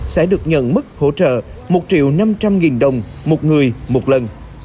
sẽ được nhận mức hỗ trợ một triệu năm trăm linh nghìn đồng một người một lần